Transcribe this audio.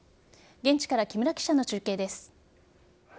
現地から木村記者の中継です。